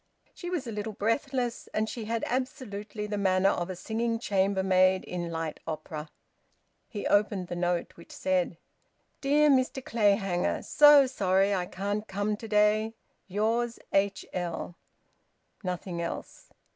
She was a little breathless, and she had absolutely the manner of a singing chambermaid in light opera. He opened the note, which said: "Dear Mr Clayhanger, so sorry I can't come to day. Yours, H.L." Nothing else.